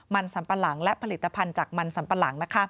มันสัมปะหลังและผลิตภัณฑ์จากมันสัมปะหลัง